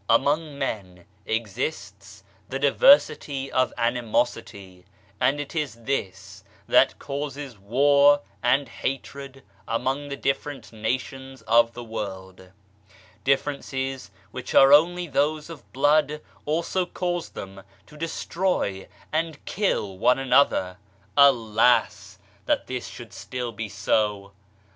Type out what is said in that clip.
Among men exists the diversity of animosity, and it is this that causes war and hatred among the different nations of the world. Differences which are only those of blood also cause them to destroy and kill one another. Alas 1 that this should still be so.